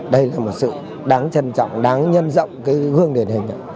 đây là một sự đáng trân trọng đáng nhân rộng cái gương điển hình